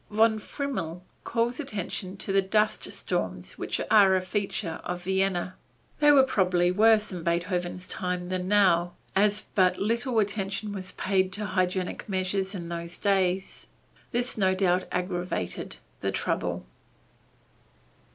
Von Frimmel calls attention to the dust storms which are a feature of Vienna. They were probably worse in Beethoven's time than now, as but little attention was paid to hygienic measures in those days. This no doubt aggravated the trouble.